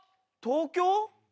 東京？